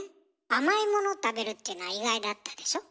甘いもの食べるっていうのは意外だったでしょ。